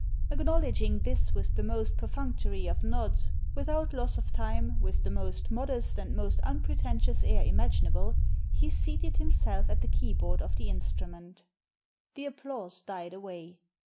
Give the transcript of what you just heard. Acknowledging this with the most perfunctory of nods, without loss of time, with the most modest and most unpretentious air imaginable, he seated himself at the keyboard of the instrument. The applause died away.